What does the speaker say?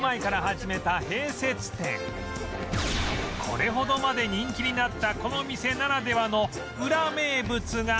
これほどまで人気になったこの店ならではのウラ名物が